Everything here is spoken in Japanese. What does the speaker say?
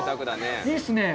いいですね。